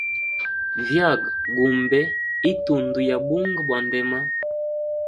Vyaga gumbe itundu ya bunga bwa ndema.